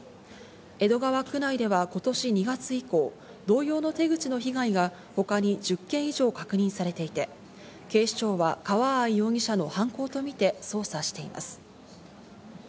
江戸川区内では今年２月以降、同様の手口の被害が他に１０件以上確認されていて、警視庁は川合容疑者の犯行とみて捜査しています。